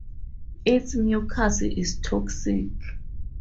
Its mucus is toxic.